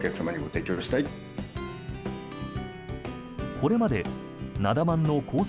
これまで、なだ万のコース